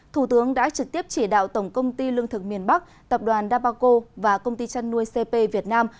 thủ tướng đã trực tiếp chỉ đạo tổng công ty lương thực miền bắc tập đoàn dabaco và công ty chăn nuôi cp việt nam